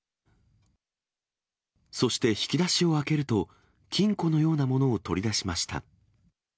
そして引き出しを開けると、金庫のようなものを取り出しました。